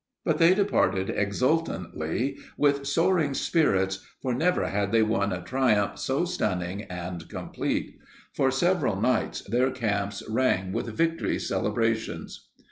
But they departed exultantly, with soaring spirits, for never had they won a triumph so stunning and complete. For several nights their camps rang with victory celebrations.